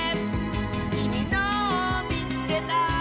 「きみのをみつけた！」